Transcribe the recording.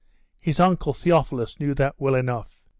His uncle Theophilus knew that well enough.